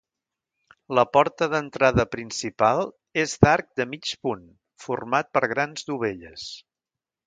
La porta d'entrada principal, és d'arc de mig punt, format per grans dovelles.